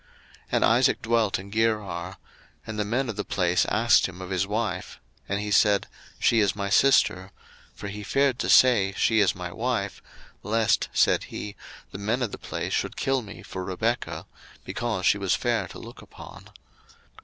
01:026:006 And Isaac dwelt in Gerar: 01:026:007 And the men of the place asked him of his wife; and he said, She is my sister: for he feared to say, She is my wife; lest, said he, the men of the place should kill me for Rebekah; because she was fair to look upon.